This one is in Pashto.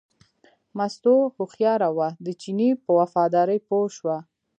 مستو هوښیاره وه، د چیني په وفادارۍ پوه شوه.